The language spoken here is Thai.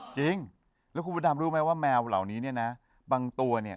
จริงแล้วคุณพระดำรู้ไหมว่าแมวเหล่านี้เนี่ยนะบางตัวเนี่ย